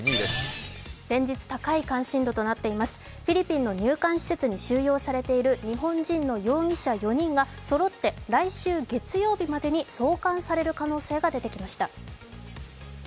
連日高い関心度となっています、フィリピンの入管施設に収容されている日本人の容疑者４人がそろって来週月曜日までに送還される可能性が出てきました。